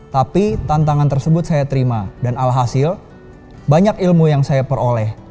tapi tantangan tersebut saya terima dan alhasil banyak ilmu yang saya peroleh